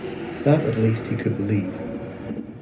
That at least he could believe.